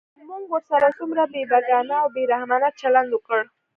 موږ ورسره څومره بېباکانه او بې رحمانه چلند وکړ.